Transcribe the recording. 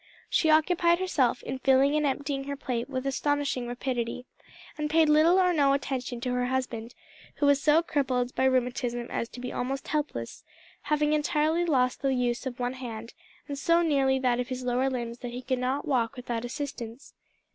She occupied herself in filling and emptying her plate with astonishing rapidity, and paid little or no attention to her husband, who was so crippled by rheumatism as to be almost helpless, having entirely lost the use of one hand, and so nearly that of his lower limbs that he could not walk without assistance.